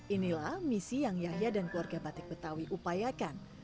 inilah misi yang yahya dan keluarga batik betawi upayakan